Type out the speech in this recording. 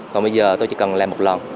còn bây giờ tôi chỉ cần làm một lần